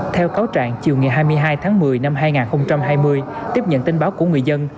theo cáo trạng chiều ngày hai mươi hai tháng một mươi năm hai nghìn hai mươi tiếp nhận tin báo của người dân